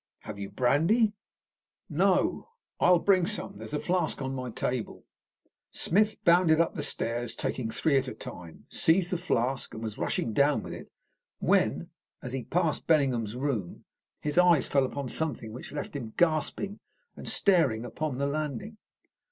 "Have you brandy?" "No." "I'll bring some. There's a flask on my table." Smith bounded up the stairs, taking three at a time, seized the flask, and was rushing down with it, when, as he passed Bellingham's room, his eyes fell upon something which left him gasping and staring upon the landing.